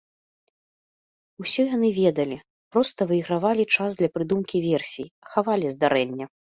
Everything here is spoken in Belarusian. Усё яны ведалі, проста выйгравалі час для прыдумкі версій, хавалі здарэнне.